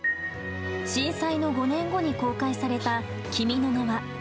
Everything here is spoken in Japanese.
震災の５年後に公開された「君の名は。」。